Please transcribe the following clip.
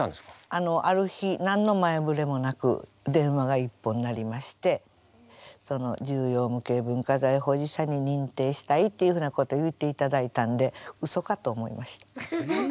あのある日何の前触れもなく電話が一本鳴りまして重要無形文化財保持者に認定したいっていうふうなことを言うていただいたんでうそかと思いました。